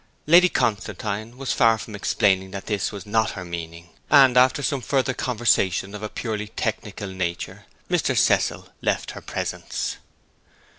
Lady Constantine was far from explaining that this was not her meaning; and, after some further conversation of a purely technical nature, Mr. Cecil left her presence.